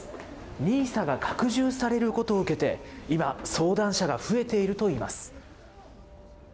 ＮＩＳＡが拡充されることを受けて、今、相談者が増えているといいます。